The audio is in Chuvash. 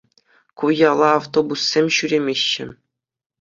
Ку яла автобуссем ҫӳремеҫҫӗ.